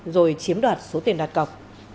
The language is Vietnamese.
rồi chiếm đoạt số tiền đặt gọc